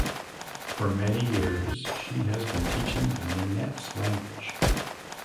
For many years she has been teaching the Nenets language.